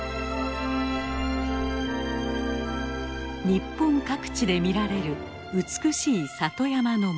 日本各地で見られる美しい里山の森。